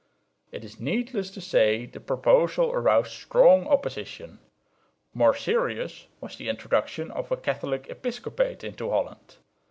It is needless to say the proposal aroused strong opposition. More serious was the introduction of a Catholic episcopate into Holland.